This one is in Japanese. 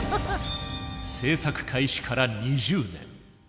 制作開始から２０年。